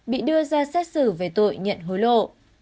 bị đưa ra xét xử về tội nhận hối lộ